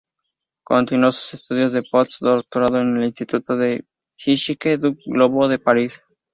Continuó sus estudio de post-doctorado en el Institut de Physique du Globo de París.